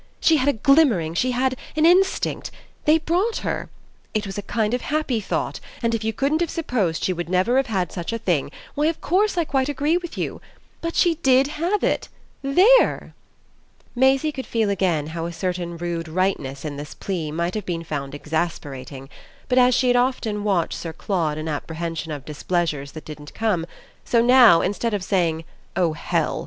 She had a glimmering, she had an instinct; they brought her. It was a kind of happy thought, and if you couldn't have supposed she would ever have had such a thing, why of course I quite agree with you. But she did have it! There!" Maisie could feel again how a certain rude rightness in this plea might have been found exasperating; but as she had often watched Sir Claude in apprehension of displeasures that didn't come, so now, instead of saying "Oh hell!"